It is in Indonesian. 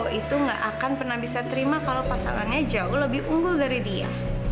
itu nggak akan pernah bisa terima kalau pasangannya jauh lebih unggul dari dia